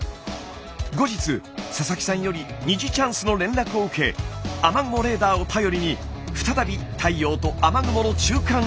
後日佐々木さんより虹チャンスの連絡を受け雨雲レーダーを頼りに再び太陽と雨雲の中間を目指します。